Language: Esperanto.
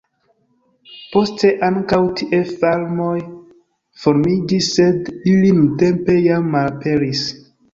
Poste ankaŭ tie farmoj formiĝis, sed ili nuntempe jam malaperis.